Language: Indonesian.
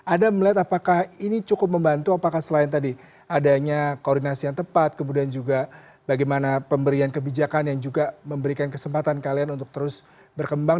anda melihat apakah ini cukup membantu apakah selain tadi adanya koordinasi yang tepat kemudian juga bagaimana pemberian kebijakan yang juga memberikan kesempatan kalian untuk terus berkembang